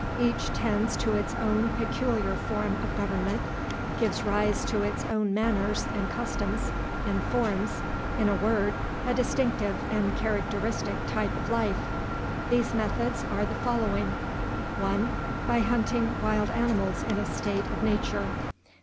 Each tends to its own peculiar form of government, gives rise to its own manners and customs, and forms, in a word, a distinctive and characteristic type of life. These methods are the following: 1. By hunting wild animals in a state of nature.